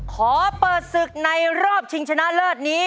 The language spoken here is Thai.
ขอเปิดศึกในรอบชิงชนะเลิศนี้